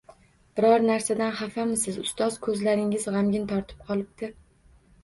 -Biror narsadan hafamisiz, ustoz? Ko’zlaringiz g’amgin tortib qolibdi.